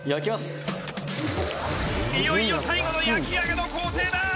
いよいよ最後の焼き上げの工程だ！